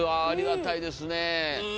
ありがたいですねえ。